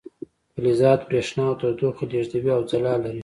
فلزات بریښنا او تودوخه لیږدوي او ځلا لري.